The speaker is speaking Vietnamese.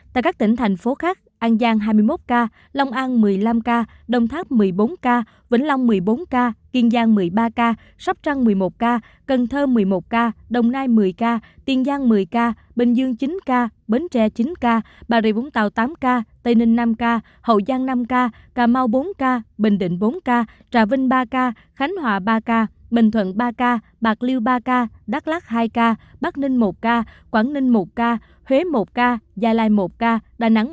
tại các tỉnh thành phố khác an giang hai mươi một ca long an một mươi năm ca đồng tháp một mươi bốn ca vĩnh long một mươi bốn ca kiên giang một mươi ba ca sắp trăng một mươi một ca cần thơ một mươi một ca đồng nai một mươi ca tiền giang một mươi ca bình dương chín ca bến tre chín ca bà rịa vũng tàu tám ca tây ninh năm ca hậu giang năm ca cà mau bốn ca bình định bốn ca trà vinh ba ca khánh hòa ba ca bình thuận ba ca bạc liêu ba ca đắk lắc hai ca bắc ninh một ca quảng ninh một ca huế một ca hồ chí minh hai ca hồ chí minh hai ca hồ chí minh hai ca hồ chí minh hai ca hồ chí